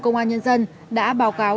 công an nhân dân đã báo cáo